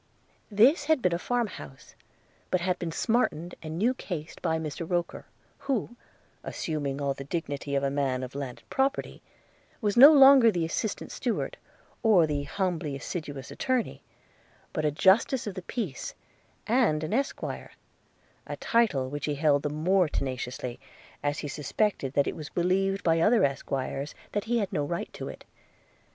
This had been a farm house, but had been smartened and new cased by Mr Roker, who, assuming all the dignity of a man of landed property, was no longer the assistant steward, or the humbly assiduous attorney, but a justice of the peace, and an esquire – a title which he held the more tenaciously, as he suspected that it was believed by other esquires that he had no right to it.